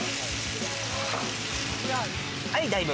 はい、ダイブ！